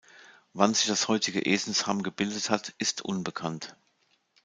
Wann sich das heutige Esenshamm gebildet hat, ist unbekannt.